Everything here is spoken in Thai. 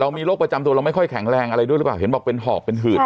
มีโรคประจำตัวเราไม่ค่อยแข็งแรงอะไรด้วยหรือเปล่าเห็นบอกเป็นหอกเป็นหืด